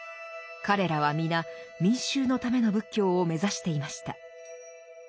彼らは皆民衆のための仏教を目指していました。